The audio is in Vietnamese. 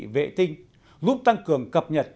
vệ tinh giúp tăng cường cập nhật